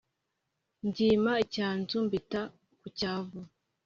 mbyima icyanzu mbita ku cyavu